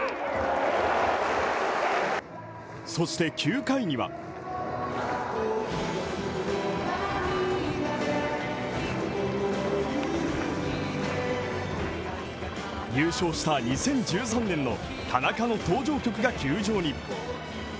そして９回には優勝した２０１３年の田中の登場曲が球場に。